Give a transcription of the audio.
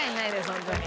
ホントに。